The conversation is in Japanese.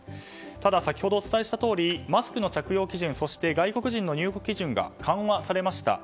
ただ、先ほどお伝えしたとおりマスクの着用基準そして外国人の入国基準が緩和されました。